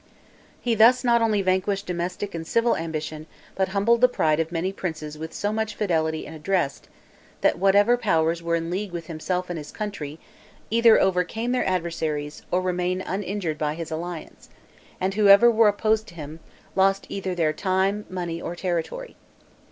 He thus not only vanquished domestic and civil ambition, but humbled the pride of many princes with so much fidelity and address, that whatever powers were in league with himself and his country, either overcame their adversaries, or remained uninjured by his alliance; and whoever were opposed to him, lost either their time, money, or territory.